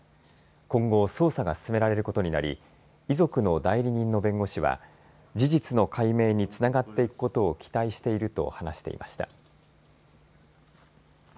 今後、捜査が進められることになり遺族の代理人の弁護士は事実の解明につながっていくことを期待していると話していました。